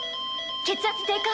血圧低下！